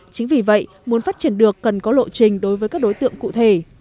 chính vì vậy muốn phát triển được cần có lộ trình đối với các đối tượng cụ thể